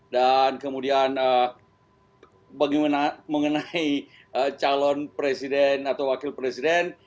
dan kemudian bagaimana mengenai calon presiden atau wakil presiden